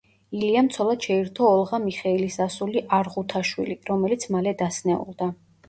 ილიამ ცოლად შეირთო ოლღა მიხეილის ასული არღუთაშვილი, რომელიც მალე დასნეულდა.